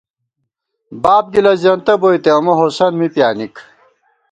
باب گِلہ زېنتہ بوئیتے ، امہ ہوسند می پیانِک